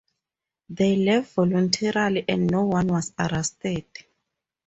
They left voluntarily and no one was arrested.